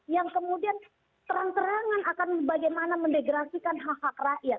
yang kemudian terang terangan akan bagaimana mendegrasikan hak hak rakyat